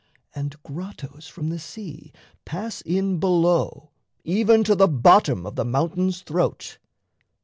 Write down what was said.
And grottos from the sea pass in below Even to the bottom of the mountain's throat.